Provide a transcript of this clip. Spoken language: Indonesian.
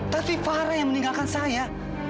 tapi farah yang meninggalkan saya